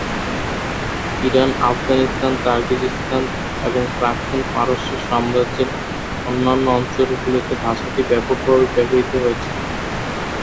Iran, Afghanistan, Tajikistan এবং প্রাক্তন পারস্য সাম্রাজ্যের অন্যান্য অঞ্চলগুলিতে ভাষাটি ব্যাপকভাবে ব্যবহৃত হচ্ছে।